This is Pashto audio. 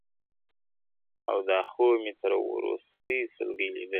او دا خوب مي تر وروستۍ سلګۍ لیدلای ,